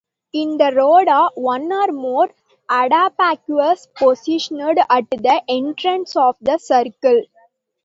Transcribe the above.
In the roda, one or more atabaques positioned at the entrance of the circle.